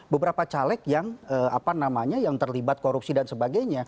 beberapa caleg yang apa namanya yang terlibat korupsi dan sebagainya